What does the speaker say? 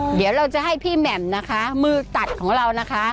เดี๋ยวเราจะให้พี่แหม่มนะคะมือตัดของเรานะคะ